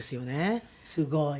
すごい。